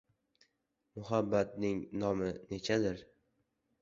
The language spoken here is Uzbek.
"Muhabbatning nomi nechadir?.."